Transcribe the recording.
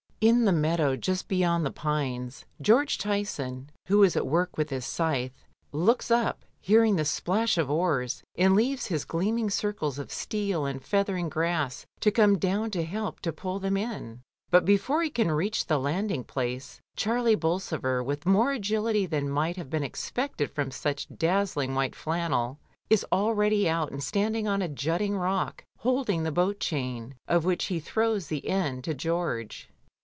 1 65 In the meadow just beyond the pines, George Tyson, who is at work with his scythe, looks up, hearing the splash of oars, and leaves his gleaming circles of steel and feathering grass, to come down to help to pull them in; but before he can reach the landing place, Charlie Bolsover, with more agility than might have been expected from such dazzling white flannel, is already out and standing on a jutting rock, holding the boat chain, of which he throws the end to George.